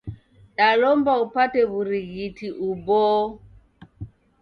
Dalomba upate w'urighiti uboo.